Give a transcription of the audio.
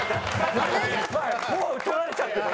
もう取られちゃってる。